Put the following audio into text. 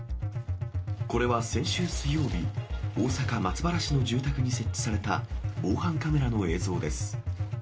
これは先週水曜日、大阪・松原市の住宅に設置された防犯カメラの映像です。